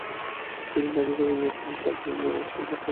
তিনি দাবী করেন যে তিনি চ্যাপলিনের ঔরসজাত সন্তান গর্ভে ধারণ করেছেন।